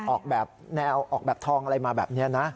ออกแบบแนวออกแบบทองอะไรมาแบบนี้นะ